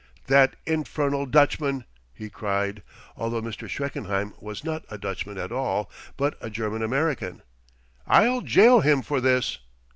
"That infernal Dutchman!" he cried, although Mr. Schreckenheim was not a Dutchman at all, but a German American. "I'll jail him for this!"